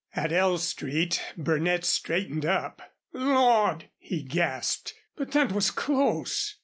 At L Street Burnett straightened up. "Lord!" he gasped. "But that was close."